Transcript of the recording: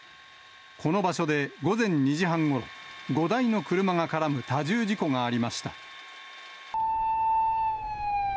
この場所で、午前２時半ごろ、５台の車が絡む多重事故がありました。